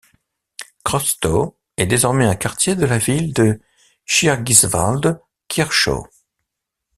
Crostau est désormais un quartier de la ville de Schirgiswalde-Kirschau.